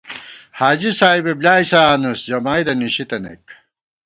حاجی سائبےبۡلیائیسہ آنُس جمائیدہ نِشی تَنَئیک